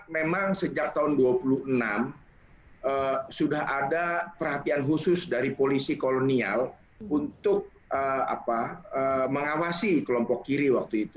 memang sejak tahun dua puluh enam sudah ada perhatian khusus dari polisi kolonial untuk mengawasi kelompok kiri waktu itu